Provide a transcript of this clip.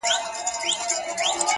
ښكلي دا ستا په يو نظر كي جــادو.